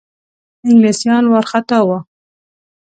انګلیسیان وارخطا وه.